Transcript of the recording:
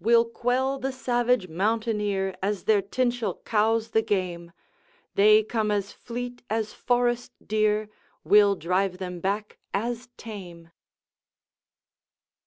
"We'll quell the savage mountaineer, As their Tinchel cows the game! They come as fleet as forest deer, We'll drive them back as tame."